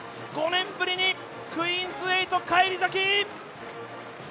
５年ぶりにクイーンズ８返り咲き！